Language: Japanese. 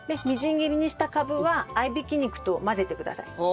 みじん切りにしたカブは合い挽き肉と混ぜてください。